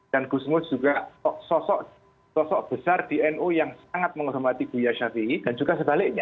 dan gusmus juga sosok besar di nu yang sangat menghubungkan nu syafi'i dan juga sebaliknya